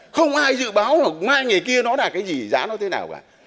không ai dự báo mà mai ngày kia nó là cái gì giá nó thế nào cả